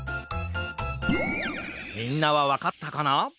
みんなはわかったかな？